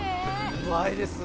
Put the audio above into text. うまいですね。